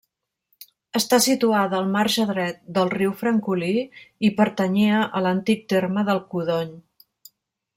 Està situada al marge dret del riu Francolí i pertanyia a l'antic terme del Codony.